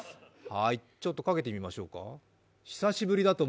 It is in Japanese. ちょっとかけてみましょうか。